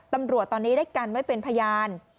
ตำรวจตอนนี้ได้กันไว้เป็นพยาน